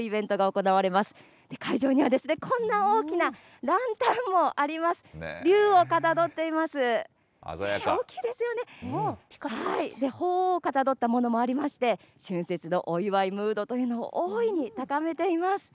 ほうおうをかたどったものもありまして、春節のお祝いムードというのを、大いに高めています。